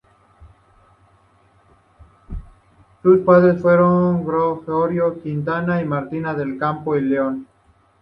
Sus padres fueron Gregorio Quintana y Martina del Campo y León.